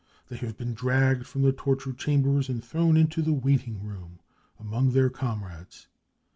They have been dragged from the torture chambers and thrown into the " waiting room 59 among their comrades.